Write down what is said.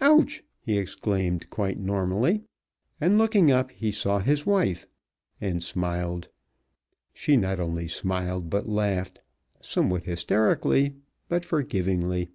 "Ouch!" he exclaimed quite normally, and looking up he saw his wife, and smiled. She not only smiled, but laughed, somewhat hysterically but forgivingly.